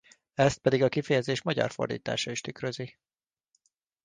Ezt pedig a kifejezés magyar fordítása is tükrözi.